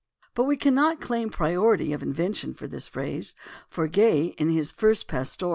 But we cannot claim priority of invention in this phrase, for Gay in his first Pastoral (vol.